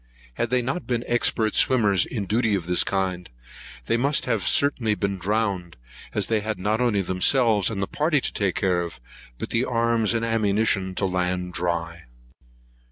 Had they not been expert swimmers, in duty of this kind, they must have certainly been drowned, as they had not only themselves and the party to take care of, but the arms and ammunition to land dry.